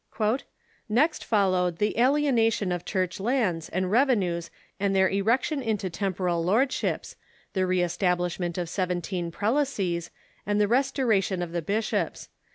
" Next followed the alienation of Church lands and revenues and their erection into temporal lordships, the re establishment of seventeen prelacies, and the restoration of the bishops.